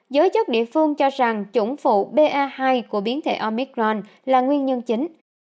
giới chức địa phương cho rằng chủng phụ ba hai của biến thể omicron là nguyên nhân chính